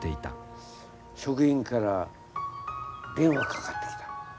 職員から電話かかってきた。